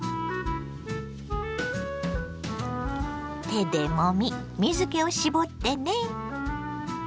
手でもみ水けを絞ってね。